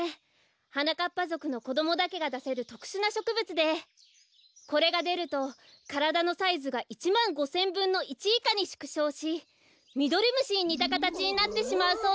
はなかっぱぞくのこどもだけがだせるとくしゅなしょくぶつでこれがでるとからだのサイズが１まん５せんぶんの１いかにしゅくしょうしミドリムシににたかたちになってしまうそうです。